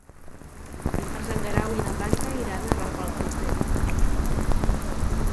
Dimarts en Guerau i na Blanca iran a Rafelcofer.